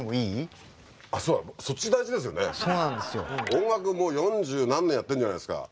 音楽をもう四十何年やってるじゃないですか。